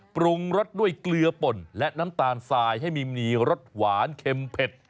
ปรุงรสด้วยเกลือป่นและน้ำตาลทรายให้มีรสหวานเค็มเผ็ด